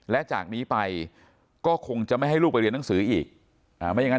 และจากนี้ไปก็คงจะไม่ให้ลูกไปเรียนหนังสืออีกไม่อย่างนั้น